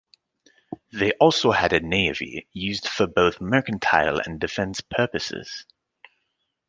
They also had a navy, used for both mercantile and defence purposes.